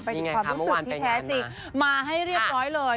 มีอย่างไรค่ะเมื่อวานไปอย่างนั้นนะมีความรู้สึกที่แท้จริงมาให้เรียบร้อยเลย